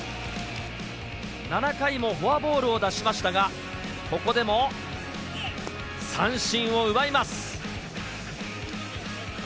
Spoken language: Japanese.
７回もフォアボールを出しましたが、ここでも三振を奪います。